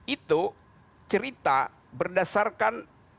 itu cerita berdasarkan